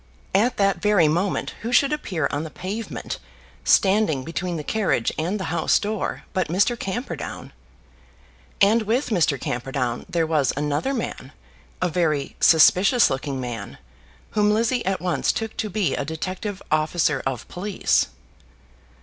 At that very moment who should appear on the pavement, standing between the carriage and the house door, but Mr. Camperdown! And with Mr. Camperdown there was another man, a very suspicious looking man, whom Lizzie at once took to be a detective officer of police.